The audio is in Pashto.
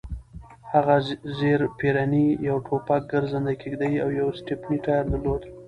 هغه زېرپېرني، یو ټوپک، ګرځنده کېږدۍ او یو سټپني ټایر درلود.